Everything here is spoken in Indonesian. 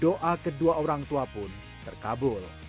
doa kedua orang tua pun terkabul